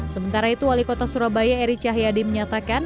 sementara itu wali kota surabaya eri cahyadi menyatakan